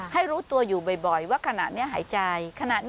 ให้รู้ตัวอยู่บ่อยว่าขณะนี้หายใจ